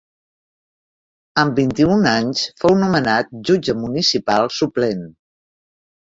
Amb vint-i-un anys fou nomenat jutge municipal suplent.